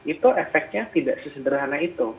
itu efeknya tidak sesederhana itu